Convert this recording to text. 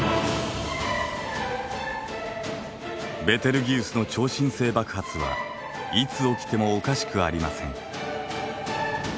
ベテルギウスの超新星爆発はいつ起きてもおかしくありません。